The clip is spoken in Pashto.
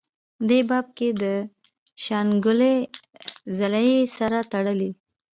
دې باب کې دَشانګلې ضلعې سره تړلي